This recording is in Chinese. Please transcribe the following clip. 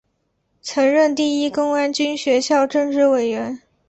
曾任第一公安军学校政治委员。